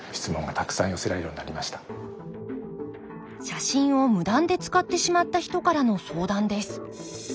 写真を無断で使ってしまった人からの相談です。